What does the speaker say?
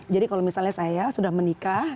jadi kalau misalnya saya sudah menikah